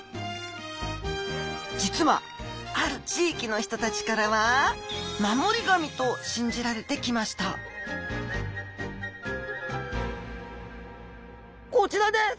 実はある地域の人たちからは守り神と信じられてきましたこちらです。